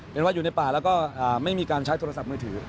เห็นว่าอยู่ในป่าแล้วก็ไม่มีการใช้โทรศัพท์มือถือ